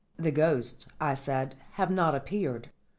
"The ghosts," I said, "have not appeared.